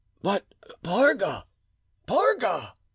"But Parga, Parga!"